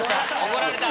怒られた！